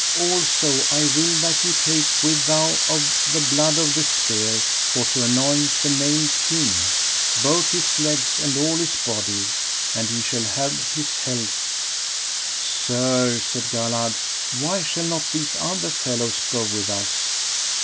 Also I will that ye take with you of the blood of this spear for to anoint the Maimed King, both his legs and all his body, and he shall have his health. Sir, said Galahad, why shall not these other fellows go with us?